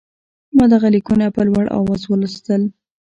ما دغه لیکونه په لوړ آواز ولوستل.